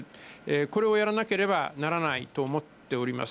これをやらなければならないと思っております。